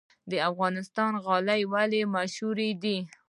د افغانستان غالۍ ولې مشهورې دي؟